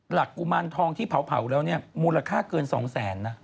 หลักกุมานทองที่เผาแล้วนี่มูลค่าเกิน๒๐๐บาท